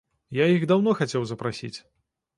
Я іх даўно хацеў запрасіць.